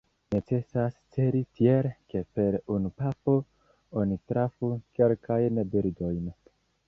Necesas celi tiel, ke per unu pafo oni trafu kelkajn birdojn.